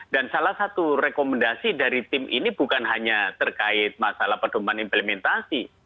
dan salah satu rekomendasi dari tim ini bukan hanya terkait masalah pedoman implementasi